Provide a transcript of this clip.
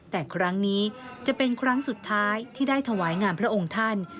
แต่ครั้งนี้จะเป็นครั้งสุดท้ายที่ได้ถวายงานพระองค์ท่าน